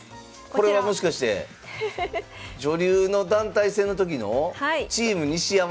これはもしかして⁉女流の団体戦の時のチーム西山！